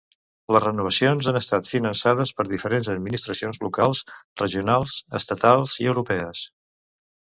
Les renovacions han estat finançades per diferents administracions locals, regionals, estatals i europees.